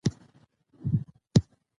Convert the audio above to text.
عربي نښې مرسته کوي.